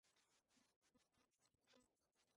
Near the northern end, it crosses the Essex County line.